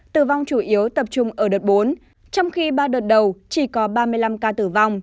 tử vong chủ yếu tập trung ở đợt bốn trong khi ba đợt đầu chỉ có ba mươi năm ca tử vong